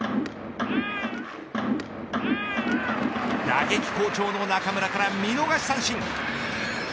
打撃好調の中村から見逃し三振。